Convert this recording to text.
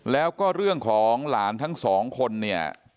แล้วก็เรื่องของหลานทั้งสองคนเนี่ย